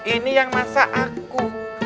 ini yang masa aku